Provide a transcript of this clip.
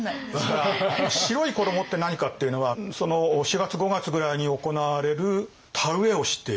白い衣って何かっていうのはその４月５月ぐらいに行われる田植えをしている。